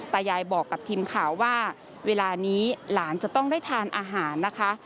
ตายายบอกกับทีมข่าวว่าเวลานี้หลานจะต้องได้ทานอาหารนะคะ